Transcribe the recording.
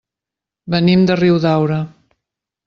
Venim de Riudaura.